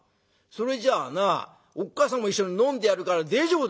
それじゃあなおっ母さんも一緒に飲んでやるから大丈夫だ」。